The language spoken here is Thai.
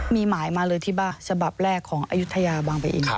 มีหมายมาเลยที่บ้านฉบับแรกของอายุทยาบางปะอิน